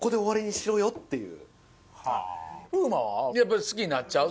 やっぱり好きになっちゃう？